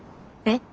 えっ？